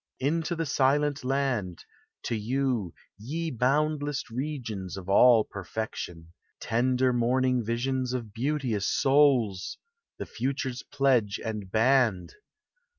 Into the Silent Land ! To you, ye boundless regions Of all perfection! Tender morning visions Of beauteous souls! The future's pledge and band